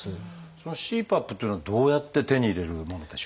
そのＣＰＡＰっていうのはどうやって手に入れるものでしょう？